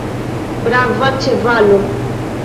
Brava ĉevalo!